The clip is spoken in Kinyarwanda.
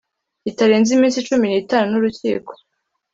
kitarenze iminsi cumi n itanu n urukiko